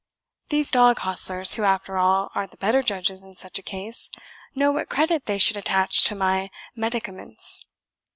These dog hostlers, who, after all, are the better judges in such a case, know what credit they should attach to my medicaments.